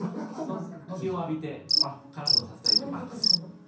日を浴びてカラッとさせたいと思います。